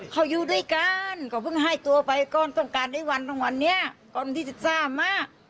เขาอยู่ด้วยกันก็เพิ่งให้ตัวไปก่อนต้องการได้วันทั้งวันเนี้ยก่อนที่๑๓มา